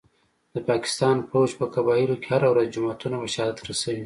د پاکستان پوځ په قبایلو کي هره ورځ جوماتونه په شهادت رسوي